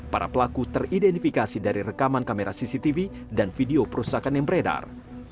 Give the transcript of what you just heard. para pelaku teridentifikasi dari rekaman kamera cctv dan video perusakan yang beredar